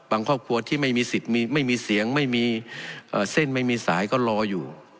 ครอบครัวที่ไม่มีสิทธิ์ไม่มีเสียงไม่มีเส้นไม่มีสายก็รออยู่